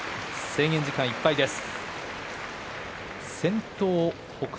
制限時間いっぱいです。